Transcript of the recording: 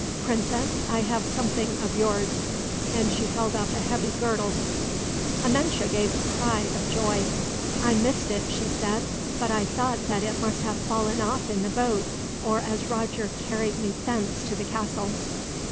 "Princess, I have something of yours," and she held up a heavy girdle. Amenche gave a cry of joy. "I missed it," she said, "but I thought that it must have fallen off in the boat, or as Roger carried me thence to the castle.